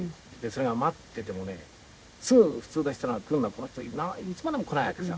それが待っててもねすぐ普通の人なら来るのにこの人いつまでも来ないわけさ。